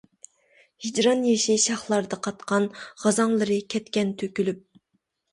ھىجران يېشى شاخلاردا قاتقان، غازاڭلىرى كەتكەن تۆكۈلۈپ.